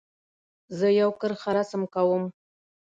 زه یو کرښه رسم کوم.